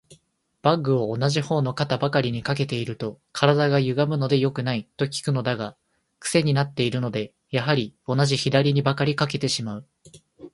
バッグを同じ方の肩ばかりに掛けていると、体がゆがむので良くない、と聞くのだが、クセになっているので、やはり同じ左にばかり掛けてしまう。